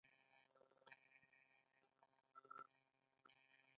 د انګورو د خوشې کرم څنګه ورک کړم؟